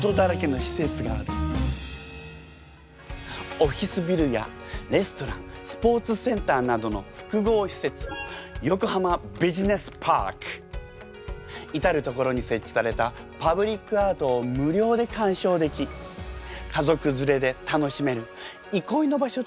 オフィスビルやレストランスポーツセンターなどの複合施設至る所に設置されたパブリックアートを無料で鑑賞でき家族連れで楽しめる憩いの場所となっているの。